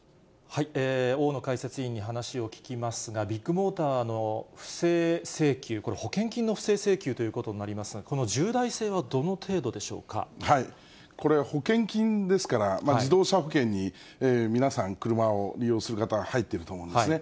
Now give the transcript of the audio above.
大野解説委員に話を聞きますが、ビッグモーターの不正請求、これ、保険金の不正請求ということになりますが、この重大性はどの程度これ、保険金ですから、自動車保険に皆さん、車を利用する方は入っていると思うんですね。